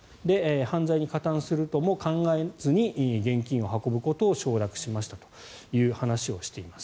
犯罪に加担するとも考えずに現金を運ぶことを承諾しましたという話をしています。